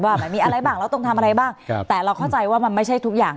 ว่ามันมีอะไรบ้างเราต้องทำอะไรบ้างครับแต่เราเข้าใจว่ามันไม่ใช่ทุกอย่าง